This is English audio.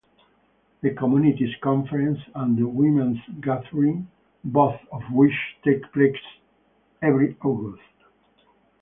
The Communities Conference, and the Women's Gathering, both of which take place every August.